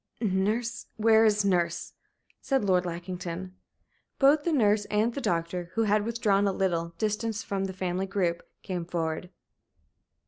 "Nurse where is nurse?" said Lord Lackington. Both the nurse and the doctor, who had withdrawn a little distance from the family group, came forward.